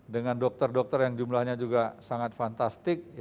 dengan dokter dokter yang jumlahnya juga sangat fantastik